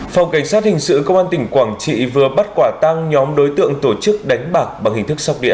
phòng cảnh sát hình sự công an tỉnh quảng trị vừa bắt quả tăng nhóm đối tượng tổ chức đánh bạc bằng hình thức sóc đĩ